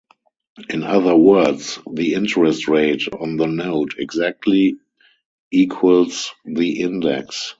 In other words, the interest rate on the note exactly equals the index.